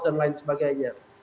dan lain sebagainya